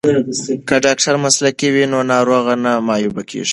که ډاکټر مسلکی وي نو ناروغ نه معیوب کیږي.